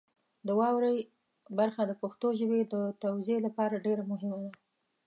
د واورئ برخه د پښتو ژبې د توزیع لپاره ډېره مهمه ده.